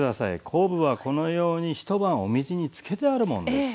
昆布はこのように一晩お水につけてあるものです。